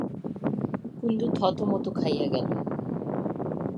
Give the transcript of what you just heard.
কুন্দ থতথত খাইয়া গেল।